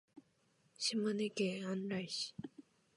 島根県安来市